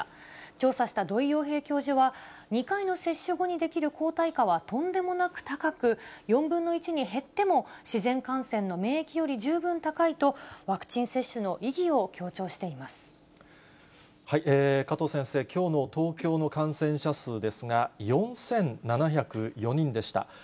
調査した土井洋平教授は、２回の接種後に出来る抗体価はとんでもなく高く、４分の１に減っても、自然感染の免疫より十分高いと、ワクチン接種の意義を強調加藤先生、きょうの東京の感染者数ですが、４７０４人でした。